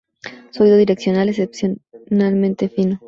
Su oído direccional es excepcionalmente fino.